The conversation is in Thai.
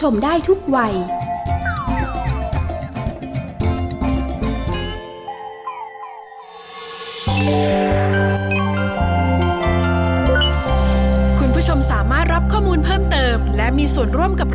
ไปกิ๊กก็โหลดแล้วค่ะ